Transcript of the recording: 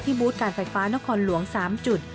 บูธการไฟฟ้านครหลวง๓จุด